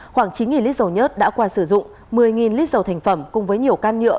khoảng chín lít dầu nhất đã qua sử dụng một mươi lít dầu thành phẩm cùng với nhiều can nhựa